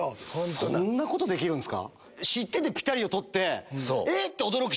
そんなことできるんですか